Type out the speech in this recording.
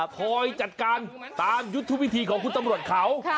คอยจัดการตามยุทธวิธีของคุณตำรวจเขา